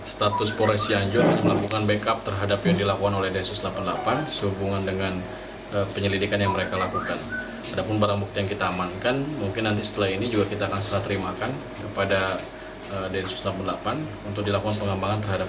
status polres cianjur melakukan backup terhadap yang dilakukan oleh desus delapan puluh enam